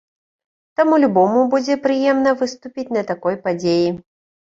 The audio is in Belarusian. Таму любому будзе прыемна выступіць на такой падзеі.